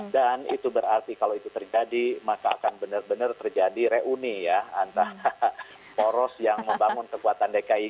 dan itu berarti kalau itu terjadi maka akan benar benar terjadi reuni ya antara poros yang membangun kekuatan dki